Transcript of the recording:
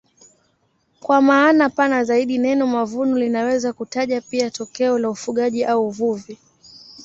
Kwa maana pana zaidi neno mavuno linaweza kutaja pia tokeo la ufugaji au uvuvi.